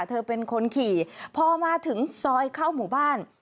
เธอเป็นคนขี่พอมาถึงซอยเข้าหมู่บ้าน